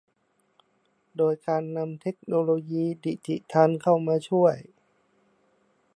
โดยการนำเทคโนโลยีดิจิทัลเข้ามาช่วย